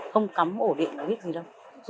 không cắm hổ điện không biết gì đâu